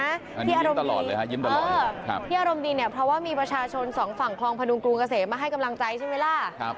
อารมณ์ดีเนี่ยเพราะว่ามีประชาชนสองฝั่งคลองพระดุงกรุงเกษมมาให้กำลังใจใช่มั้ยล่ะ